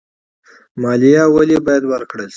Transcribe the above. مالیه ولې باید ورکړل شي؟